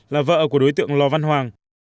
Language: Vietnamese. là vợ của đối tượng lò văn hoàng